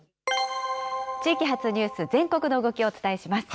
地域発ニュース、全国の動きをお伝えします。